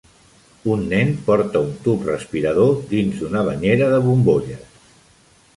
Un nen porta un tub respirador dins d'una banyera de bombolles